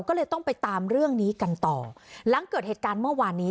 ก็เลยต้องไปตามเรื่องนี้กันต่อหลังเกิดเหตุการณ์เมื่อวานนี้